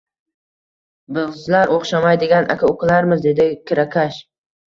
Bizlar o`xshamaydigan aka-ukalarmiz, dedi kirakash